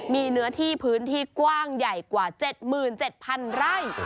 มีเนื้อที่พื้นที่กว้างใหญ่กว่า๗๗๐๐ไร่